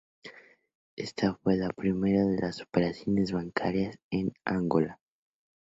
Esta fue la primera de las operaciones bancarias en Angola.